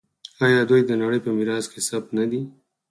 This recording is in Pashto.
آیا دوی د نړۍ په میراث کې ثبت نه دي؟